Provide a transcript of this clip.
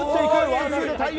ワンツーで対応。